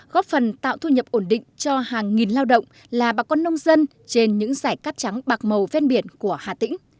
góp phần tạo thu nhập ổn định cho hàng nghìn lao động là bà con nông dân trên những giải cắt trắng bạc màu ven biển của hà tĩnh